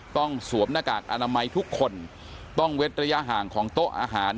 สวมหน้ากากอนามัยทุกคนต้องเว้นระยะห่างของโต๊ะอาหาร